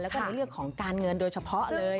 แล้วก็ในเรื่องของการเงินโดยเฉพาะเลย